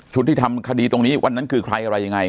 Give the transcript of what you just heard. ที่ทำคดีตรงนี้วันนั้นคือใครอะไรยังไง